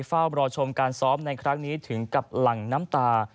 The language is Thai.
เฝ้ารอชมการซ้อมในครั้งนี้ถึงกับหลั่งน้ำตา